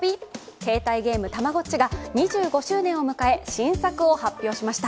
携帯ゲームたまごっちが２５周年を迎え、新作を発表しました。